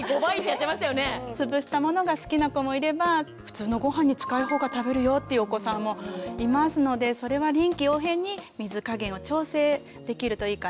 つぶしたものが好きな子もいれば普通のご飯に近いほうが食べるよっていうお子さんもいますのでそれは臨機応変に水加減を調整できるといいかなと思います。